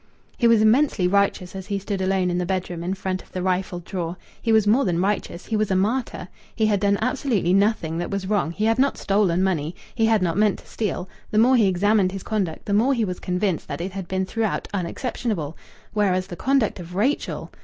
He was immensely righteous as he stood alone in the bedroom in front of the rifled drawer. He was more than righteous he was a martyr. He had done absolutely nothing that was wrong. He had not stolen money; he had not meant to steal; the more he examined his conduct, the more he was convinced that it had been throughout unexceptionable, whereas the conduct of Rachel